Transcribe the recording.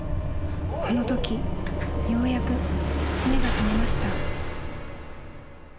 ［このときようやく目が覚めました］